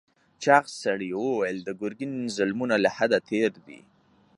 چاغ سړي وویل د ګرګین ظلمونه له حده تېر دي.